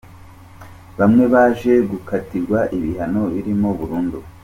Bamwe baje gukatirwa ibihano birimo burundu